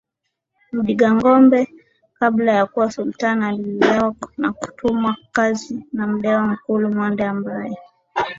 Mdimangombe kabla ya kuwa Sultan alilelewa na kutumwa kazi na Mndewa Mkulu Mwande ambaye